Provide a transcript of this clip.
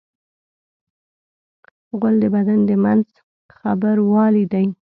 غول د بدن د منځ خبروالی دی.